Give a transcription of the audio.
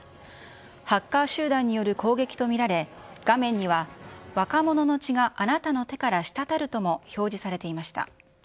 ハッカー集団による攻撃と見られ、画面には若者の血があなたの手から滴るとも表示されていました。